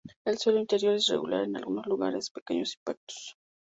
El suelo interior es irregular en algunos lugares, con pequeños impactos.